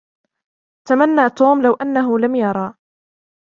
تمنى توم لو أنه لم يرى.